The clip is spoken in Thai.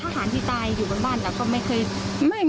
หารที่ตายอยู่บนบ้านเราก็ไม่เคย